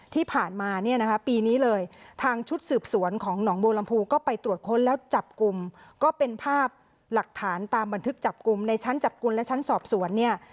ที่ผ่านมาเนี่ยนะคะปีนี้เลยทางชุดสืบสวนของหนองบัวลำพูก็ไปตรวจค้นแล้วจับกลุ่มก็เป็นภาพหลักฐานตามบันทึกจับกลุ่มในชั้นจับกลุ่มและชั้นสอบสวนเนี่ย